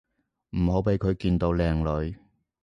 唔好畀佢見到靚女